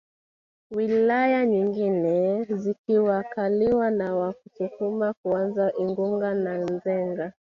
Wilaya nyingine zikikaliwa na Wasukuma kuanzia Igunga na Nzega